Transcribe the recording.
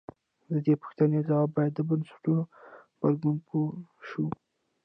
د دې پوښتنې ځواب باید د بنسټونو غبرګون پوه شو.